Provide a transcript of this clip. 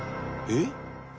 えっ！